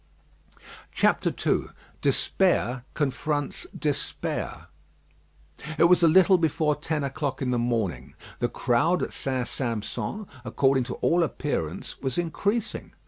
II DESPAIR CONFRONTS DESPAIR It was a little before ten o'clock in the morning. The crowd at St. Sampson, according to all appearance, was increasing.